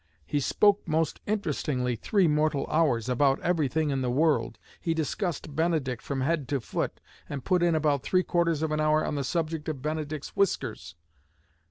He spoke most interestingly three mortal hours, about everything in the world. He discussed Benedict from head to foot, and put in about three quarters of an hour on the subject of Benedict's whiskers."